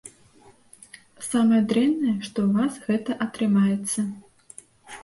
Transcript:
Самае дрэннае, што ў вас гэта атрымаецца.